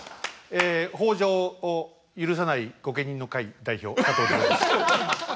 え北条を許さない御家人の会代表佐藤二朗です。